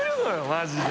マジで。